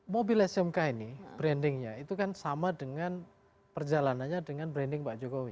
mobil smk ini brandingnya itu kan sama dengan perjalanannya dengan branding pak jokowi